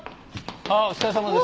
ああお疲れさまです。